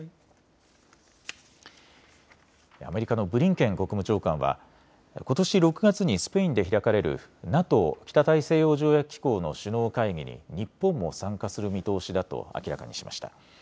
アメリカのブリンケン国務長官はことし６月にスペインで開かれるＮＡＴＯ・北大西洋条約機構の首脳会議に日本も参加する見通しだと明らかにしました。